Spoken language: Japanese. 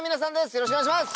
よろしくお願いします。